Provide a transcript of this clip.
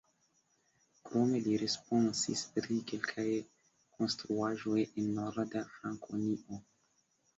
Krome li responsis pri kelkaj konstruaĵoj en Norda Frankonio.